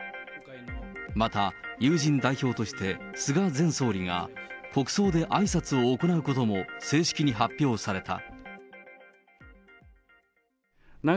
また、友人代表として菅前総理が国葬であいさつを行うことも正式に発表された。